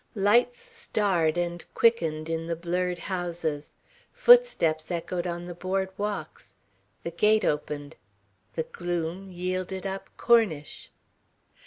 Lights starred and quickened in the blurred houses. Footsteps echoed on the board walks. The gate opened. The gloom yielded up Cornish.